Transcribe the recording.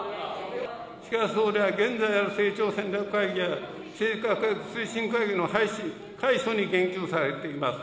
しかし、総理は現在ある成長戦略会議や、規制改革推進会議の廃止・改組に言及されています。